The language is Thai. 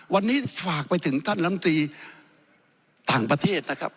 วันนี้ฝากไปถึงท่านลำตรีต่างประเทศนะครับ